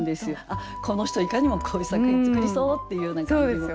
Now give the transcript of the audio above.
あっこの人いかにもこういう作品作りそうっていう感じも。